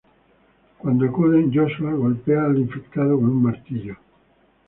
Cuando acuden, Joshua golpea al infectado con un martillo.